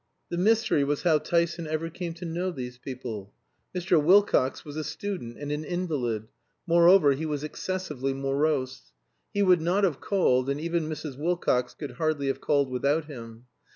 The mystery was how Tyson ever came to know these people. Mr. Wilcox was a student and an invalid; moreover, he was excessively morose. He would not have called, and even Mrs. Wilcox could hardly have called without him.